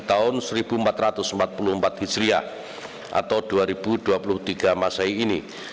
tahun seribu empat ratus empat puluh empat hijriah atau dua ribu dua puluh tiga masai ini